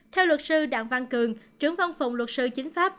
theo luật sư đặng văn cường trưởng văn phòng luật sư chính pháp